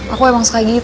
aku emang suka gitu